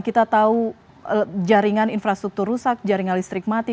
kita tahu jaringan infrastruktur rusak jaringan listrik mati